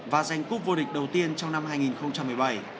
và giành cúp vô địch đầu tiên trong năm hai nghìn một mươi bảy